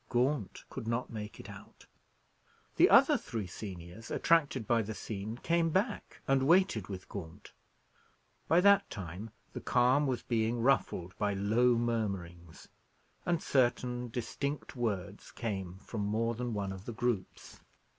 Gaunt could not make it out. The other three seniors, attracted by the scene, came back, and waited with Gaunt. By that time the calm was being ruffled by low murmurings, and certain distinct words came from more than one of the groups.